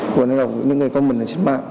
với những người comment trên mạng